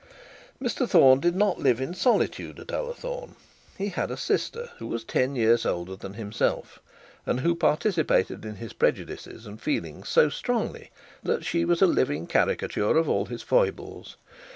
Mr Thorne did not live in solitude at Ullathorne. He had a sister, who was ten years older than himself, and who participated in his prejudices and feelings so strongly, that she was a living caricature of all his foibles.